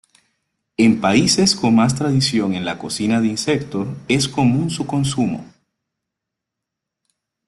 En países con más tradición en la cocina de insectos es común su consumo.